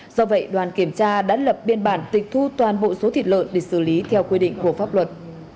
do vậy đoàn kiểm tra đã lập biên bản tịch thu toàn bộ số thịt lợn để xử lý theo quy định của pháp luật